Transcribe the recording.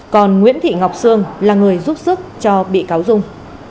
còn nguyễn thị ngọc sương là người giúp sức cho bị cáo dung